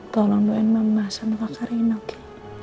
tolong doain mama sama kak karina oke